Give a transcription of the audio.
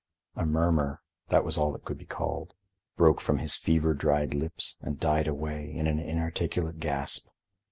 A murmur—that was all it could be called—broke from his fever dried lips and died away in an inarticulate gasp.